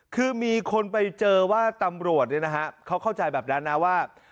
คือมีคนไปเจอว่าตำรวจเขาเข้าใจแบบนั้นนะว่า